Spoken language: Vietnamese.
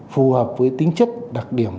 phù hợp với tính chất đặc điểm